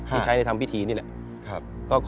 ที่ใช้ในทำพิธีนี่แหละ